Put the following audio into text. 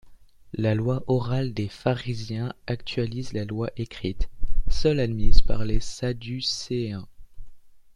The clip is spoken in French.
La loi orale des pharisiens actualise la loi écrite, seule admise par les sadducéens.